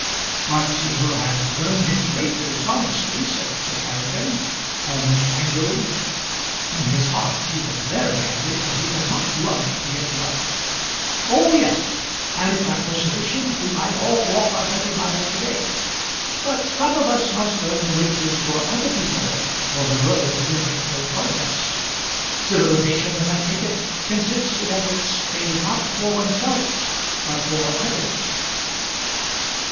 "But he will have earned his wages honestly," said Sir Peregrine, almost angrily. In his heart he was very angry, for he did not love to be interrupted. "Oh, yes; and if that were sufficient we might all walk our thirty miles a day. But some of us must earn wages for other people, or the world will make no progress. Civilization, as I take it, consists in efforts made not for oneself but for others."